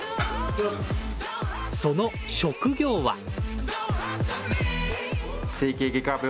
その職業は。